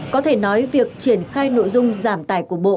có thể nói việc triển khai nội dung giảm tải của bộ